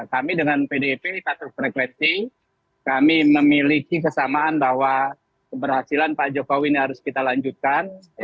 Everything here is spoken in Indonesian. kami dengan pdip patuh frekuensi kami memiliki kesamaan bahwa keberhasilan pak jokowi ini harus kita lanjutkan